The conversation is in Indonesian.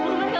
bu ambar apa